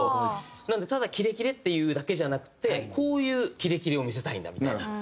なのでただキレキレっていうだけじゃなくてこういうキレキレを見せたいんだみたいな。